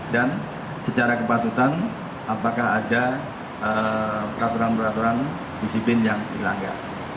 dan secara kepatutan apakah ada peraturan peraturan disiplin yang dilanggar